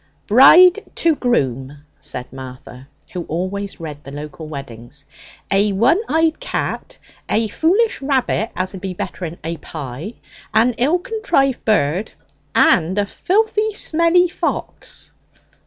'Bride to groom,' said Martha, who always read the local weddings: 'a one eyed cat; a foolish rabbit as'd be better in a pie; an ill contrived bird; and a filthy smelly fox!'